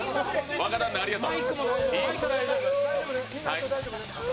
若旦那、ありがとう。